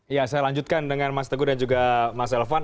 ya saya lanjutkan dengan mas teguh dan juga mas elvan